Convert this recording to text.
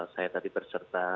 saya tadi berserta